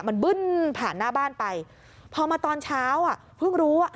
มันบึ้นผ่านหน้าบ้านไปพอมาตอนเช้าอ่ะเพิ่งรู้ว่า